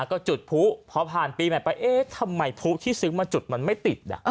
ก็จุดผู้พอผ่านปีใหม่ไปเอ๊ะทำไมผู้ที่ซื้อมาจุดมันไม่ติด